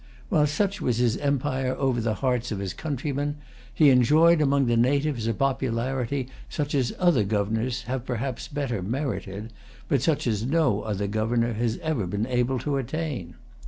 While such was his empire over the hearts of his countrymen, he enjoyed among the natives a popularity such as other governors have perhaps better merited, but such as no other governor has been able to attain.